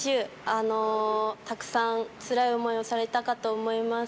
あのー、たくさんつらい思いをされたかと思います。